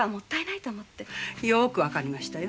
よく分かりましたよ。